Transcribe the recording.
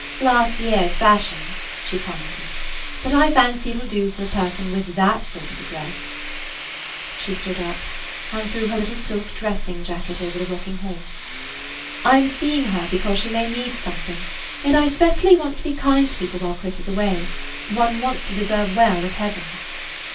"Last year's fashion," she commented; "but I fancy it 'll do for a person with that sort of address." She stood up, and threw her little silk dressing [Page 16] jacket over the rocking horse. "I 'm seeing her because she may need something, and I specially want to be kind to people while Chris is away. One wants to deserve well of heaven."